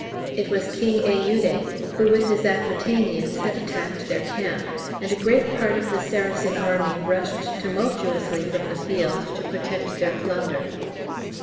It was King Eude, who, with his Aquitanians, had attacked their camp, and a great part of the Saracen army rushed tumultuously from the field to protect their plunder.